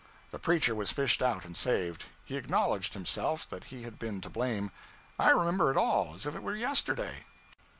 The preacher was fished out and saved. He acknowledged, himself, that he had been to blame. I remember it all, as if it were yesterday.'